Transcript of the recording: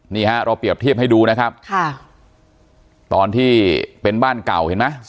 นี่ฮะเราเปรียบเทียบให้ดูนะครับค่ะตอนที่เป็นบ้านเก่าเห็นไหม